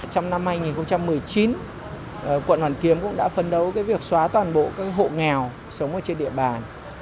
trong năm hai nghìn một mươi chín quận hoàn kiếm cũng đã phấn đấu việc xóa toàn bộ các hộ nghèo sống trên địa bàn